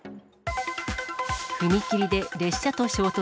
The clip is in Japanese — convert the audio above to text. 踏切で列車と衝突。